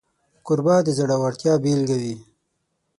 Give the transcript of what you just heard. کوربه د زړورتیا بيلګه وي.